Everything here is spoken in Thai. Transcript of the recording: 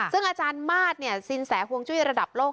ซึ่งอาจารย์มาสสินแสห่วงจุ้ยระดับโลก